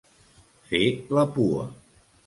Fer la pua.